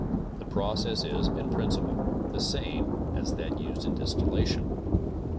The process is, in principle, the same as that used in distillation.